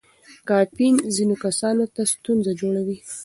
کافین ځینو کسانو ته ستونزه جوړوي.